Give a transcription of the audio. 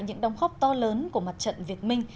những đồng góp to lớn của mặt trận việt minh